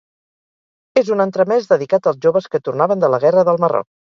És un entremés dedicat als joves que tornaven de la Guerra del Marroc.